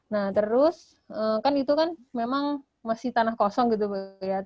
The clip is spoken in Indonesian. nah terus kan itu kan memang masih tanah kosong gitu bu ya